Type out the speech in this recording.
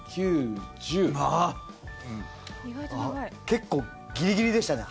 結構ギリギリでしたね。